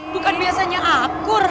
bukan biasanya akur